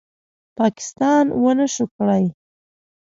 پاکستان ونشو کړې